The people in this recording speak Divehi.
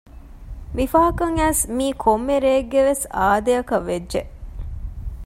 މި ފަހަކައް އައިސް މީ ކޮއްމެ ރެއެއްގެވެސް އާދައަކައްވެއްޖެ